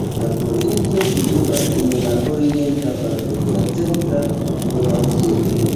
La provinco situas en la orienta parto de centra Kroatio.